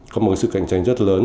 có một sự cạnh tranh rất lớn